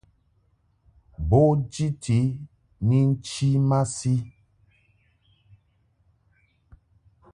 Bo jiti ni nchi masi.